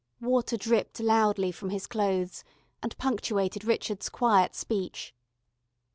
Water dripped loudly from his clothes and punctuated Richard's quiet speech.